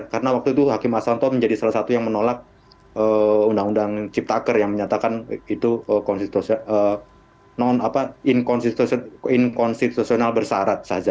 karena waktu itu hakim aswanto menjadi salah satu yang menolak undang undang ciptaker yang menyatakan itu non konstitusional bersarat saza